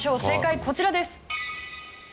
正解こちらです。